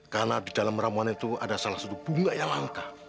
karena di dalam ramuan itu ada salah satu bunga yang langka